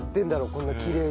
こんなきれいにね。